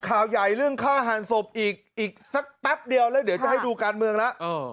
ข่าวใหญ่เรื่องฆ่าหันศพอีกอีกสักแป๊บเดียวแล้วเดี๋ยวจะให้ดูการเมืองแล้ว